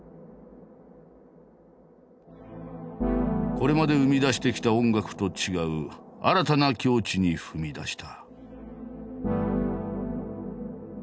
これまで生み出してきた音楽と違う新たな境地に踏み出した。